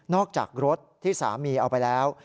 จากรถที่สามีเอาไปแล้ว